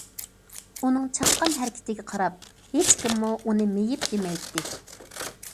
ئۇنىڭ چاققان ھەرىكىتىگە قاراپ، ھېچكىممۇ ئۇنى مېيىپ دېمەيتتى.